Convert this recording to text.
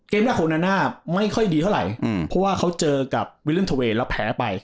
เกมหน้าของไม่ค่อยดีเท่าไหร่อืมเพราะว่าเขาเจอกับแล้วแผลไป